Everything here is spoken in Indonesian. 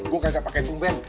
gua kagak pakai tumben